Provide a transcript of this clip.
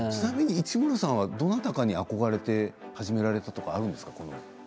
市村さんはどなたかに憧れて始められたというのはあるんですか。